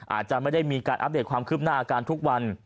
อาจจะไม่ได้มีการอัปเดตความคืบหน้าอาการทุกวัน